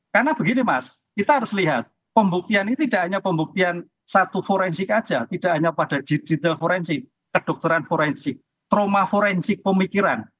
karena begini mas kita harus lihat pembuktian ini tidak hanya pembuktian satu forensik saja tidak hanya pada digital forensik kedokteran forensik trauma forensik pemikiran